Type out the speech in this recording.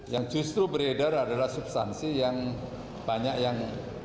yang justru beredar adalah substansi yang banyak yang